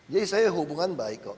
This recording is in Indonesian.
jadi saya hubungan baik kok